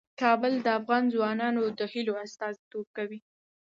کابل د افغان ځوانانو د هیلو استازیتوب کوي.